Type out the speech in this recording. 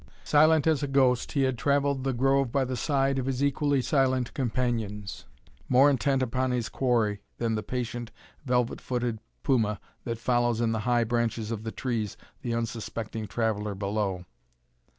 Silent as a ghost he had traversed the grove by the side of his equally silent companions, more intent upon his quarry than the patient, velvet footed puma that follows in the high branches of the trees the unsuspecting traveller below.